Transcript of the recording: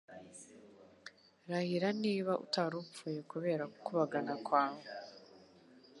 Rahira niba utarupfuye kubera gukubagana kwawe